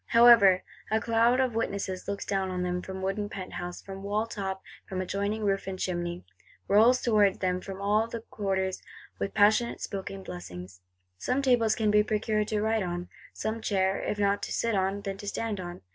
However, a cloud of witnesses looks down on them, from wooden penthouse, from wall top, from adjoining roof and chimney; rolls towards them from all quarters, with passionate spoken blessings. Some table can be procured to write on; some chair, if not to sit on, then to stand on.